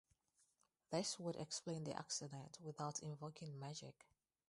This would explain the accidents without invoking magic.